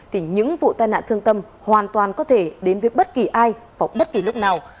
thì những vụ tai nạn thương tâm hoàn toàn có thể đến với bất kỳ ai vào bất kỳ lúc nào